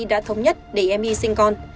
đã thống nhất để em y sinh con